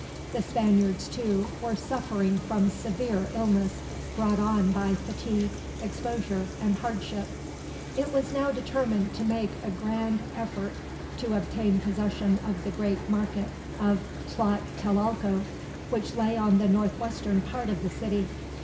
The Spaniards, too, were suffering from severe illness brought on by fatigue, exposure, and hardship. It was now determined to make a grand effort to obtain possession of the great market of Tlatelolco, which lay on the northwestern part of the city.